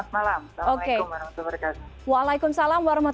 selamat malam assalamualaikum wr wb